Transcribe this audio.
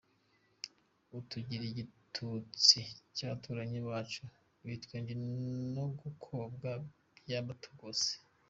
Utugira igitutsi cy’abaturanyi bacu, Ibitwenge no gukobwa by’abatugose.